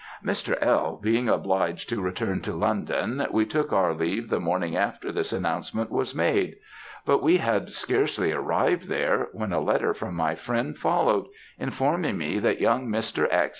"Mr. L. being obliged to return to London, we took our leave the morning after this announcement was made; but we had scarcely arrived there, when a letter from my friend followed, informing me that young Mr. X.